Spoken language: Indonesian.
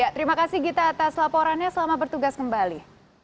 terima kasih gita atas laporannya selamat bertugas kembali